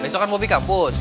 besok kan bobi kampus